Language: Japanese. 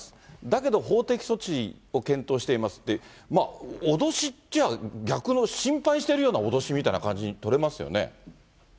だけど法的措置を検討していますって、脅しっちゃ、逆に心配しているような脅しみたいな感じに取れますよね。